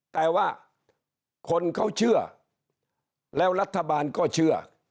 แต่ว่าคนเขาเชื่อแล้วรัฐบาลก็เชื่อ